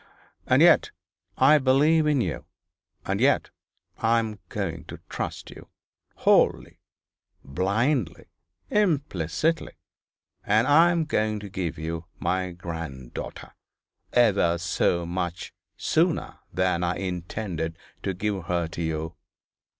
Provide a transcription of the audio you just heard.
And yet I believe in you and yet I am going to trust you, wholly, blindly, implicitly and I am going to give you my granddaughter, ever so much sooner than I intended to give her to you.